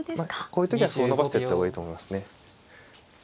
こういう時は歩を伸ばしていった方がいいと思いますね。